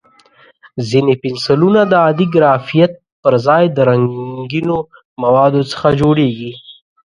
ځینې پنسلونه د عادي ګرافیت پر ځای د رنګینو موادو څخه جوړېږي.